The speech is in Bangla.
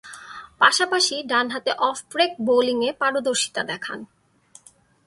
পাশাপাশি ডানহাতে অফ ব্রেক বোলিংয়ে পারদর্শীতা দেখান।